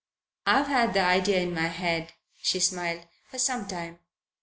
I've had the idea in my head," she smiled, "for some time.